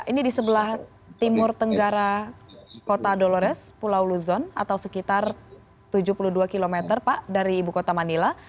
ini di sebelah timur tenggara kota dolores pulau luzon atau sekitar tujuh puluh dua km pak dari ibu kota manila